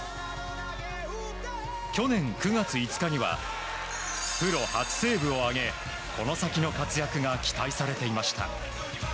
去年９月５日にはプロ初セーブを挙げこの先の活躍が期待されていました。